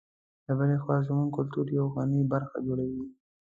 له بلې خوا زموږ کلتور یوه غني برخه جوړوي.